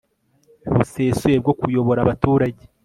busesuye bwo kuyobora abaturage